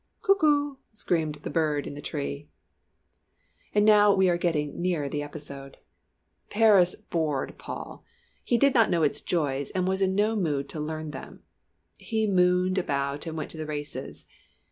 Cuckoo! screamed the bird in the tree. And now we are getting nearer the episode. Paris bored Paul he did not know its joys and was in no mood to learn them. He mooned about and went to the races.